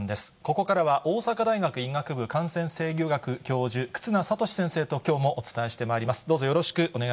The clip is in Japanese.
ここからは大阪大学医学部感染制御学教授、忽那賢志先生ときょうもお伝えしてまいります。